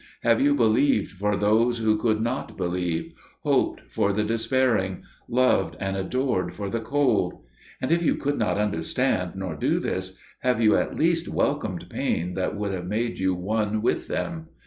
Have you believed for those who could not believe, hoped for the despairing, loved and adored for the cold? And if you could not understand nor do this, have you at least welcomed pain that would have made you one with them?